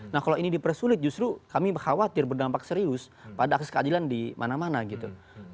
nah kalau ini dipersulit justru kami khawatir berdampak serius pada akses keadilan di mana mana gitu